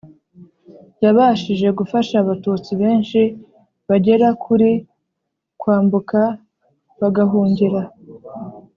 yabashije gufasha Abatutsi benshi bagera kuri kwambuka bagahungira